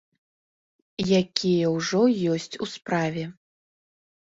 Якія ўжо ёсць у справе.